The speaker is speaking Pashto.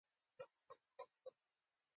دا هیواد څلور فصلونه لري